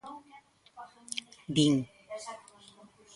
Din.